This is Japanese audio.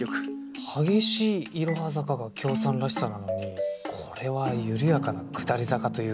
激しいいろは坂がきょーさんらしさなのにこれは緩やかな下り坂というか。